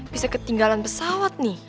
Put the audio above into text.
bisa ketinggalan pesawat nih